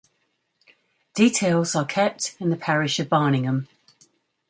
Details are kept in the parish of Barningham.